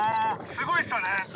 すごいですよね。